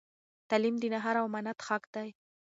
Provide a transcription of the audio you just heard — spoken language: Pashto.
تعلیم د نهار د امانت حق دی.